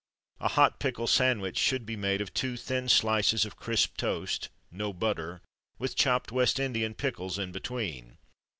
A Hot pickle Sandwich should be made of two thin slices of crisp toast (no butter) with chopped West Indian pickles in between.